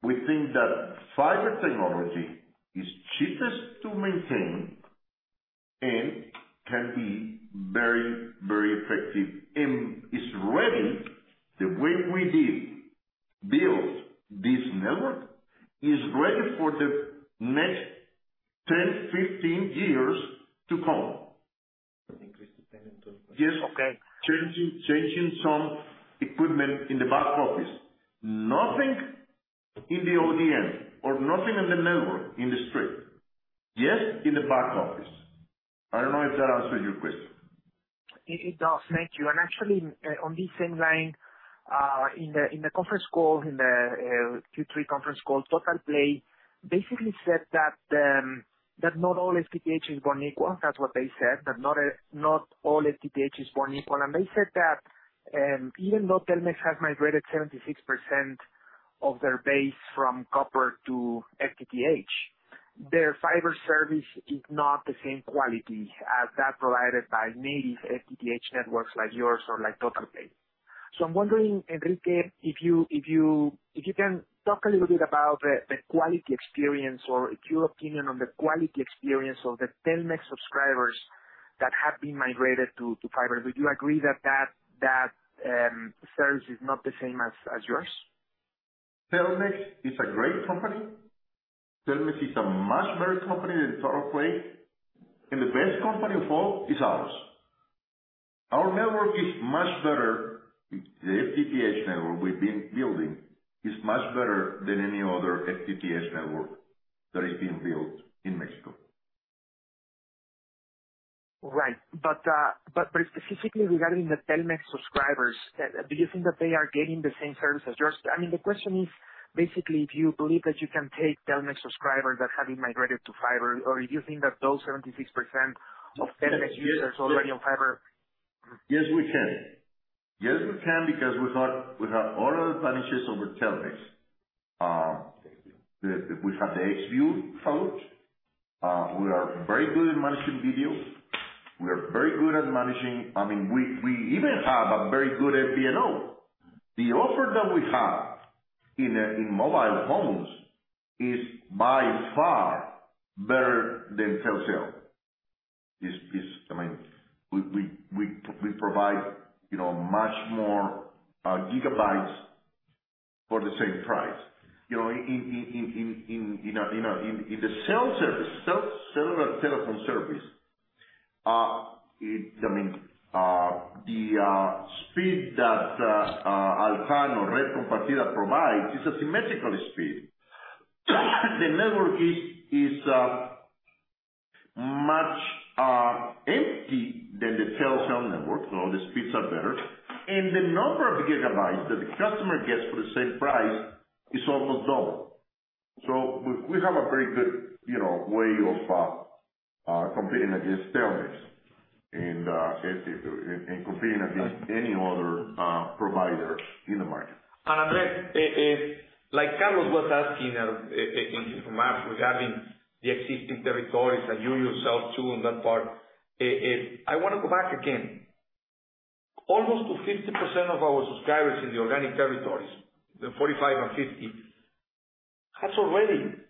we think that fiber technology is cheapest to maintain and can be very, very effective, and is ready the way we did build this network, is ready for the next 10, 15 years to come. Increase depending on the question. Okay. Changing, changing some equipment in the back office. Nothing in the ODN or nothing in the network, in the street. Just in the back office. I don't know if that answered your question. It does. Thank you. And actually, on this same line, in the conference call, in the Q3 conference call, Totalplay basically said that not all FTTH is born equal. That's what they said, that not all FTTH is born equal. And they said that. And even though Telmex has migrated 76% of their base from copper to FTTH, their fiber service is not the same quality as that provided by native FTTH networks like yours or like Totalplay. So I'm wondering, Enrique, if you can talk a little bit about the quality experience or your opinion on the quality experience of the Telmex subscribers that have been migrated to fiber. Would you agree that service is not the same as yours? Telmex is a great company. Telmex is a much better company than Totalplay, and the best company of all is ours. Our network is much better. The FTTH network we've been building is much better than any other FTTH network that is being built in Mexico. Right. But specifically regarding the Telmex subscribers, do you think that they are getting the same service as yours? I mean, the question is, basically, if you believe that you can take Telmex subscribers that have been migrated to fiber, or do you think that those 76% of Telmex users already on fiber- Yes, we can. Yes, we can, because we have, we have all other packages over Telmex. The- we have the HDU product. We are very good at managing video. We are very good at managing, I mean, we, we even have a very good MVNO. The offer that we have in, in mobile phones is by far better than Telcel. Is, is, I mean, we, we, we, we provide, you know, much more, gigabytes for the same price. You know, in, in, in, in, in, in, you know, in, in the cell service, cell- cellular telephone service, it, I mean, the, speed that, Altán or Red Compartida provides is a symmetrical speed. The network is much emptier than the Telcel network, so the speeds are better, and the number of gigabytes that the customer gets for the same price is almost double. So we have a very good, you know, way of competing against Telmex and competing against any other provider in the market. And Andre, like Carlos was asking, in regards regarding the existing territories that you yourself, too, in that part. I wanna go back again. Almost 50% of our subscribers in the organic territories, the 45 and 50,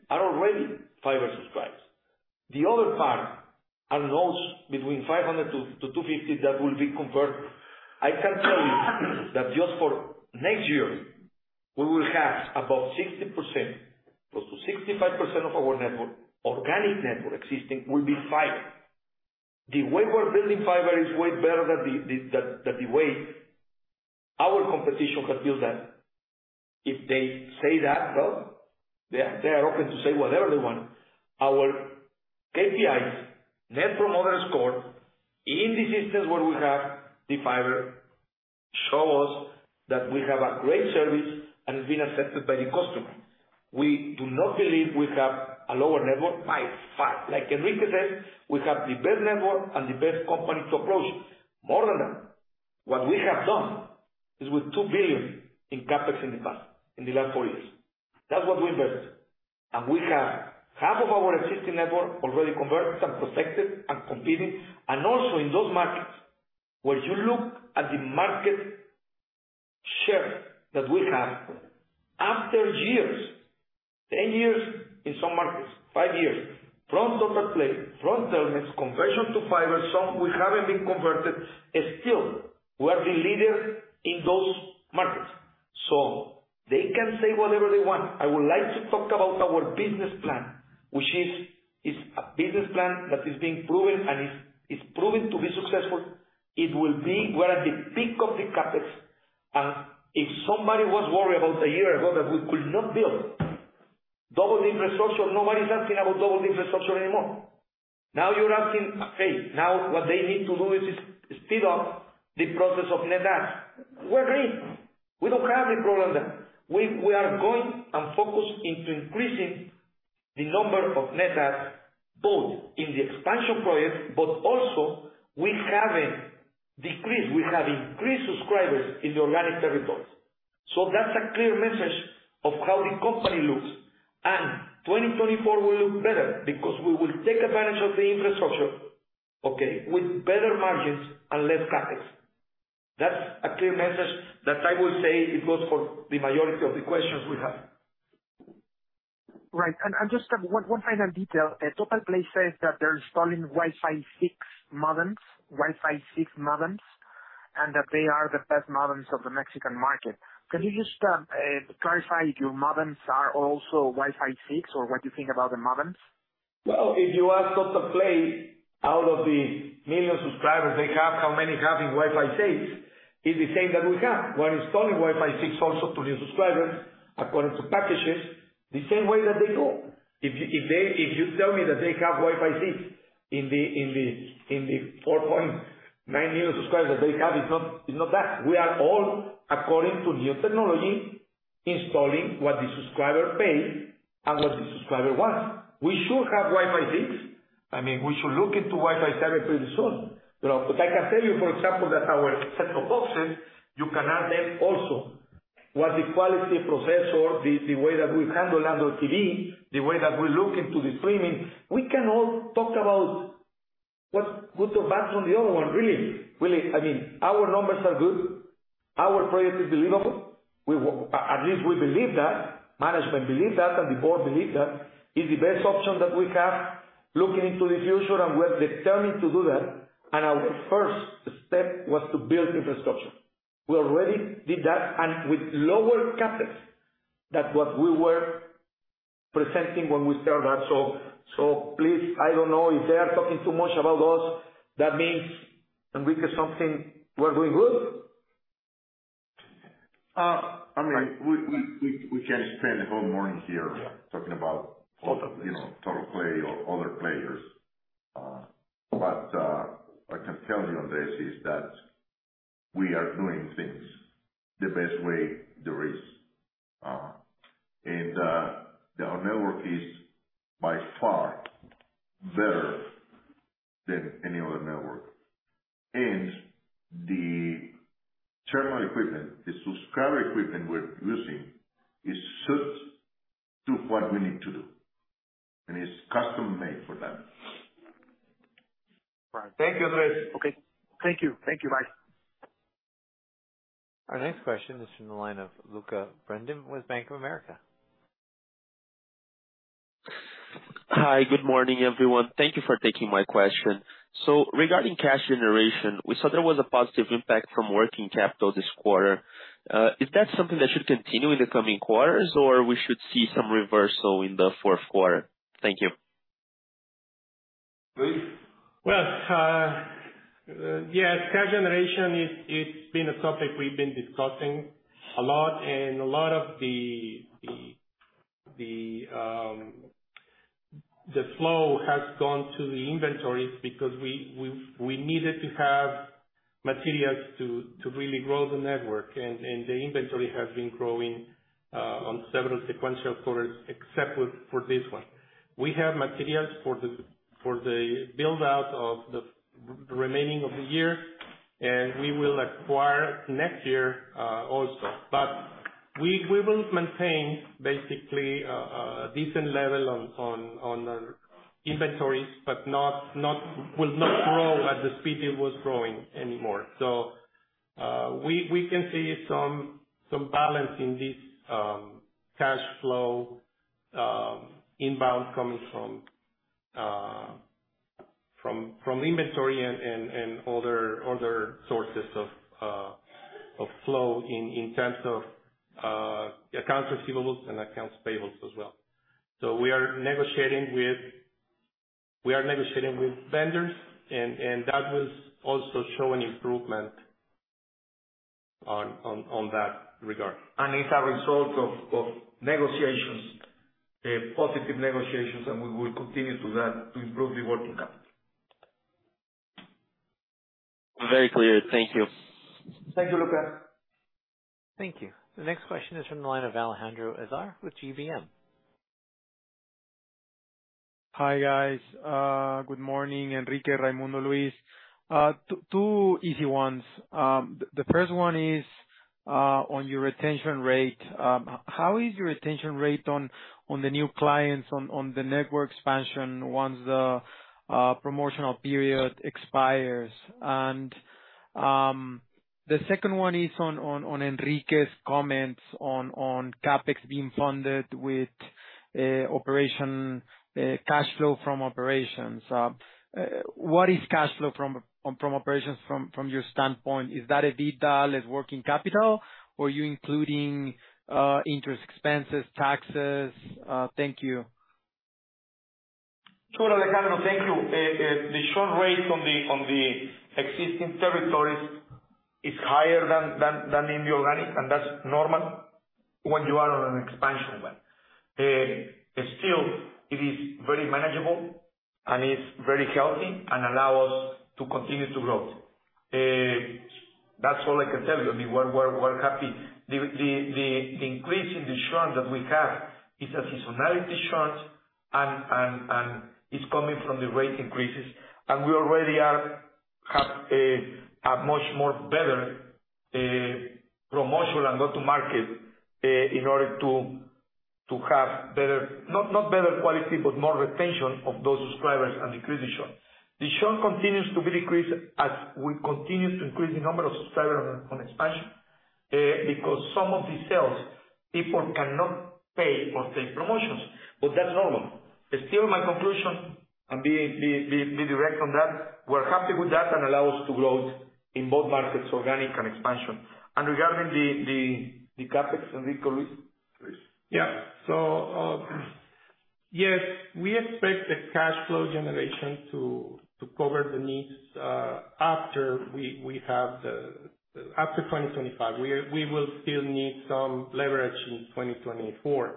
are already fiber subscribers. The other part are those between 500-250 that will be converted. I can tell you that just for next year, we will have about 60%, close to 65% of our network, organic network existing, will be fiber. The way we're building fiber is way better than the way our competition has built that. If they say that, well, they are open to say whatever they want. Our KPIs, Net Promoter Score in the systems where we have the fiber, show us that we have a great service and it's being accepted by the customer. We do not believe we have a lower network by far. Like Enrique said, we have the best network and the best company to approach. More than that, what we have done is with 2 billion in CapEx in the past, in the last four years, that's what we invested. And we have half of our existing network already converted and protected and competing, and also in those markets, when you look at the market share that we have after years, 10 years in some markets, 5 years, from Totalplay, from Telmex conversion to fiber, some we haven't been converted, and still we are the leaders in those markets. So they can say whatever they want. I would like to talk about our business plan, which is a business plan that is being proven and is proving to be successful. It will be. We're at the peak of the CapEx, and if somebody was worried about a year ago that we could not build double the infrastructure, nobody's asking about double the infrastructure anymore. Now, you're asking, okay, now what they need to do is speed up the process of net adds. We agree. We don't have the problem then. We are going and focused into increasing the number of net adds, both in the expansion projects, but also we haven't decreased. We have increased subscribers in the organic territories. So that's a clear message of how the company looks. And 2024 will look better, because we will take advantage of the infrastructure, okay, with better margins and less CapEx. That's a clear message that I will say it was for the majority of the questions we have. Right. And just one final detail. Totalplay says that they're installing Wi-Fi 6 modems, Wi-Fi 6 modems, and that they are the best modems of the Mexican market. Can you just clarify if your modems are also Wi-Fi 6, or what you think about the modems? Well, if you ask Totalplay, out of the 1 million subscribers they have, how many having Wi-Fi 6, is the same that we have. We're installing Wi-Fi 6 also to new subscribers, according to packages, the same way that they do. If you tell me that they have Wi-Fi 6 in the 4.9 million subscribers that they have, it's not, it's not that. We are, according to new technology, installing what the subscriber pays and what the subscriber wants. We should have Wi-Fi 6. I mean, we should look into Wi-Fi 7 pretty soon. You know, but I can tell you, for example, that our set of boxes, you can add them also. What the quality processor, the, the way that we handle Android TV, the way that we look into the streaming, we can all talk about what's good or bad from the other one, really. Really, I mean, our numbers are good. Our project is believable. We—at least we believe that, management believe that, and the board believe that. It's the best option that we have looking into the future, and we're determined to do that, and our first step was to build infrastructure. We already did that and with lower CapEx than what we were presenting when we started out. So please, I don't know, if they are talking too much about us, that means, Enrique, something, we're doing good? I mean, we can spend the whole morning here- Yeah. -talking about- Totally. You know, Totalplay or other players. But what I can tell you on this is that we are doing things the best way there is. And our network is by far better than any other network. And the terminal equipment, the subscriber equipment we're using, is suited to what we need to do, and it's custom made for them. Right. Thank you, Luis. Okay. Thank you. Thank you, bye. Our next question is from the line of Lucca Brendim with Bank of America. Hi, good morning, everyone. Thank you for taking my question. Regarding cash generation, we saw there was a positive impact from working capital this quarter. Is that something that should continue in the coming quarters, or we should see some reversal in the fourth quarter? Thank you. Luis? Well, yeah, cash generation is- it's been a topic we've been discussing a lot, and a lot of the, the, the flow has gone to the inventories because we, we, we needed to have materials to, to really grow the network. And the inventory has been growing on several sequential quarters, except for this one. We have materials for the build-out of the remaining of the year, and we will acquire next year also. We will maintain basically a decent level on our inventories, but not- will not grow at the speed it was growing anymore. So, we can see some balance in this cash flow inbound coming from inventory and other sources of flow in terms of accounts receivables and accounts payables as well. So we are negotiating with vendors and that will also show an improvement on that regard. It's a result of negotiations, positive negotiations, and we will continue to do that to improve the working capital. Very clear. Thank you. Thank you, Luca. Thank you. The next question is from the line of Alejandro Azar with GBM. Hi, guys. Good morning, Enrique, Raymundo, Luis. 2 easy ones. The first one is on your retention rate. How is your retention rate on the new clients, on the network expansion once the promotional period expires? And, the second one is on Enrique's comments on CapEx being funded with operational cash flow from operations. What is cash flow from operations from your standpoint? Is that EBITDA less working capital, or are you including interest expenses, taxes? Thank you. Sure, Alejandro. Thank you. The churn rate on the existing territories is higher than in the organic, and that's normal when you are on an expansion plan. But still, it is very manageable, and it's very healthy and allow us to continue to grow. That's all I can tell you. I mean, we're happy. The increase in the churn that we have is a seasonality churn, and it's coming from the rate increases. And we already are, have a much more better promotional and go-to-market in order to have better... Not better quality, but more retention of those subscribers and increase the churn. The churn continues to be decreased as we continue to increase the number of subscribers on expansion, because some of the sales people cannot pay for the promotions, but that's normal. But still, my conclusion, and being the direct on that, we're happy with that and allow us to grow in both markets, organic and expansion. And regarding the CapEx, Enrique, Luis? Yeah. Yes, we expect the cash flow generation to cover the needs after we have the, after 2025. We will still need some leverage in 2024,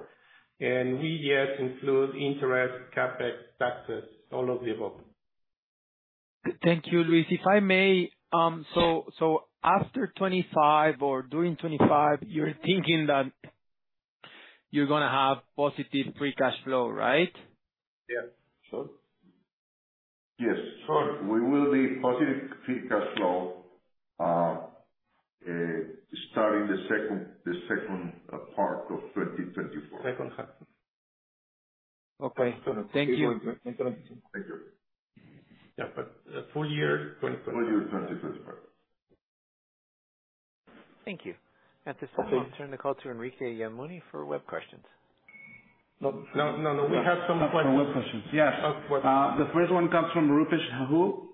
and we, yes, include interest, CapEx, taxes, all of the above.... Thank you, Luis. If I may, so after 2025 or during 2025, you're thinking that you're gonna have positive free cash flow, right? Yeah. Sure. Yes. Sure. We will be positive free cash flow starting the second part of 2024. Second half. Okay. Thank you. Thank you. Yeah, but full year 2024. Full year 2024. Thank you. At this time, we'll turn the call to Enrique Yamuni for web questions. No, no, no. We have some questions. For web questions. Yes. Web questions. The first one comes from Rupesh Hu.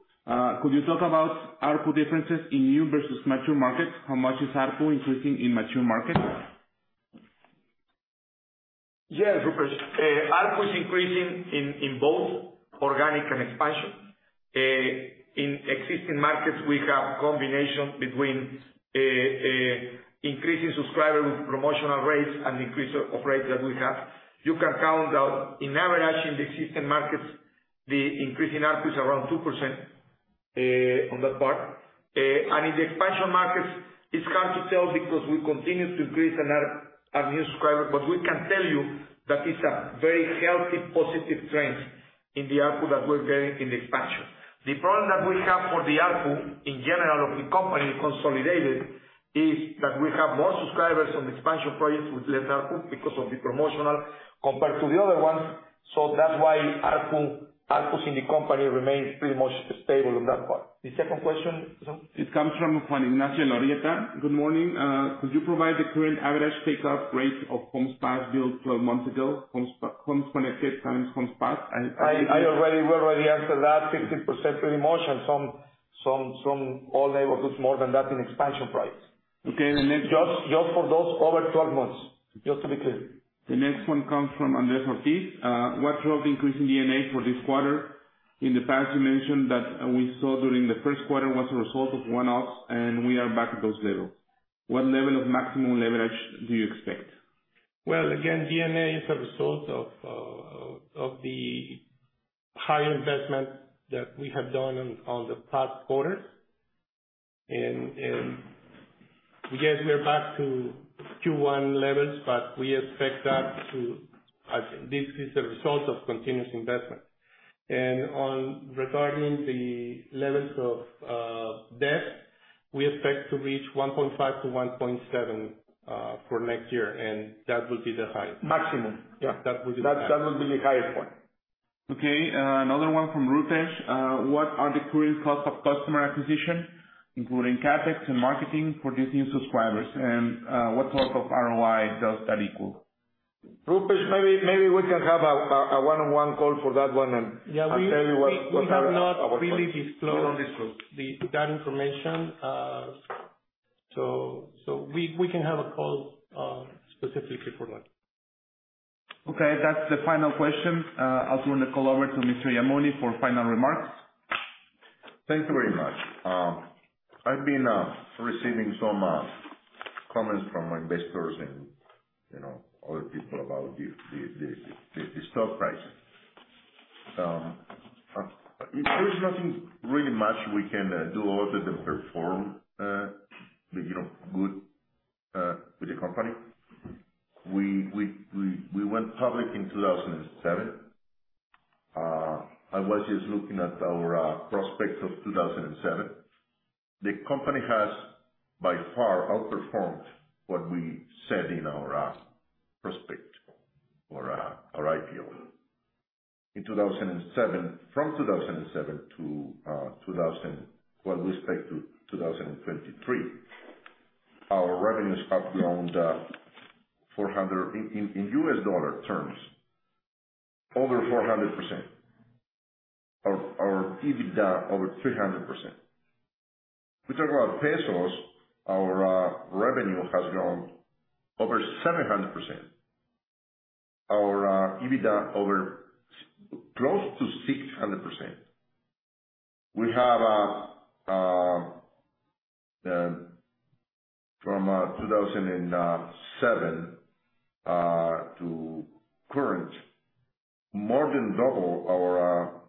Could you talk about ARPU differences in new versus mature markets? How much is ARPU increasing in mature markets? Yes, Rupesh. ARPU is increasing in both organic and expansion. In existing markets, we have combination between increasing subscriber with promotional rates and increase of rates that we have. You can count that in average, in the existing markets, the increase in ARPU is around 2%, on that part. And in the expansion markets, it's hard to tell because we continue to increase in our new subscribers, but we can tell you that it's a very healthy, positive trend in the ARPU that we're getting in the expansion. The problem that we have for the ARPU in general of the company consolidated is that we have more subscribers on the expansion projects with less ARPU because of the promotional compared to the other ones. So that's why ARPU, ARPUs in the company remains pretty much stable on that part. The second question? It comes from Juan Ignacio Lorjeta. Good morning. Could you provide the current average take-up rate of homes passed built 12 months ago, homes, homes connected and homes passed, and- We already answered that. 50% pretty much, and some all networks more than that in expansion price. Okay, and then- Just, just for those over 12 months, just to be clear. The next one comes from Andres Ortiz. What drove the increase in G&A for this quarter? In the past, you mentioned that we saw during the first quarter was a result of one-offs, and we are back at those levels. What level of maximum leverage do you expect? Well, again, G&A is a result of the high investment that we have done on the past quarters. And yes, we are back to Q1 levels, but we expect that to... This is a result of continuous investment. And regarding the levels of debt, we expect to reach 1.5-1.7 for next year, and that will be the highest. Maximum. Yeah, that will be the maximum. That will be the highest point. Okay, another one from Rupesh. What are the current cost of customer acquisition, including CapEx and marketing for these new subscribers? And, what type of ROI does that equal? Rupesh, maybe we can have a one-on-one call for that one, and- Yeah. I'll tell you what our- We have not really disclosed- We won't disclose. that information. So we can have a call specifically for that. Okay. That's the final question. I'll turn the call over to Mr. Yamuni for final remarks. Thank you very much. I've been receiving some comments from investors and, you know, other people about the stock price. There's nothing really much we can do other than perform, you know, good with the company. We went public in 2007. I was just looking at our prospectus of 2007. The company has by far outperformed what we said in our prospectus or our IPO. In 2007... From 2007 to, well, we expect to 2023, our revenues have grown four hundred, in US dollar terms, over 400%. Our EBITDA, over 300%. We talk about pesos, our revenue has grown over 700%. Our EBITDA is close to 600%. We have, from 2007 to current, more than double our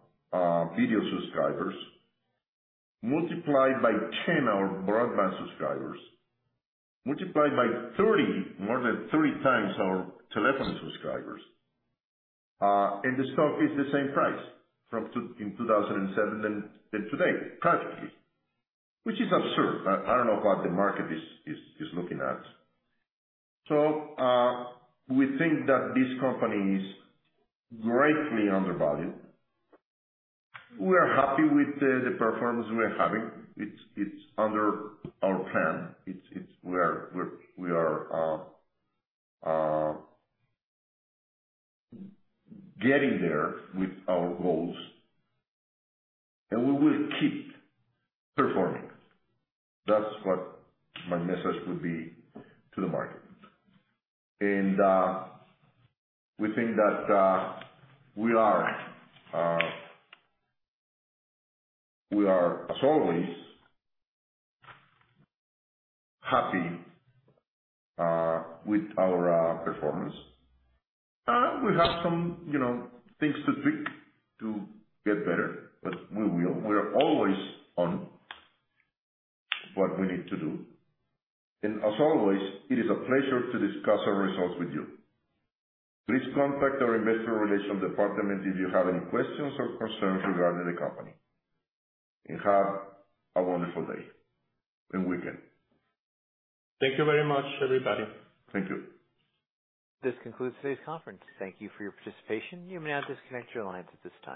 video subscribers, multiplied by 10 our broadband subscribers, multiplied by 30, more than three times our telephone subscribers. And the stock is the same price from 2007 than today, practically. Which is absurd. I don't know what the market is looking at. So, we think that this company is greatly undervalued. We are happy with the performance we are having. It's under our plan. It's we are getting there with our goals, and we will keep performing. That's what my message would be to the market. We think that we are, as always, happy with our performance. We have some, you know, things to tweak to get better, but we will. We are always on what we need to do. As always, it is a pleasure to discuss our results with you. Please contact our investor relations department if you have any questions or concerns regarding the company. Have a wonderful day and weekend. Thank you very much, everybody. Thank you. This concludes today's conference. Thank you for your participation. You may now disconnect your lines at this time.